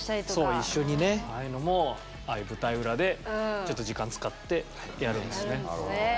そう一緒にねああいうのもああいう舞台裏でちょっと時間使ってやるんですね。